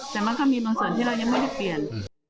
แต่มันก็มีบางส่วนที่เรายังไม่ได้เปลี่ยน